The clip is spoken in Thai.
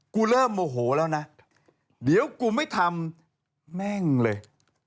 กูเริ่มโมโหแล้วนะเดี๋ยวกูไม่ทำแม่งเลย